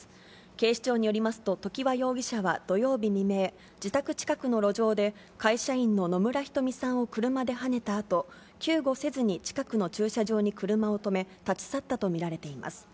警視庁によりますと、常盤容疑者は土曜日未明、自宅近くの路上で、会社員の野村瞳さんを車ではねたあと、救護せずに近くの駐車場に車を止め、立ち去ったと見られています。